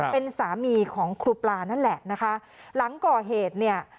เป็นสามีของครูปลานั่นแหละนะคะหลังก่อเหตุเนี่ย